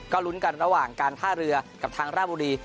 ลุ้นกันระหว่างการท่าเรือกับทางราบุรี